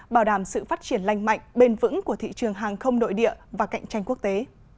bảo đảm sự phát triển lành mạnh bền vững của thị trường hàng không nội địa và cạnh tranh quốc tế